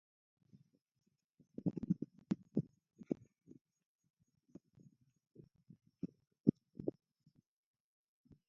Esto contribuyó a que el nombre de Dietrich no fuera olvidado por completo.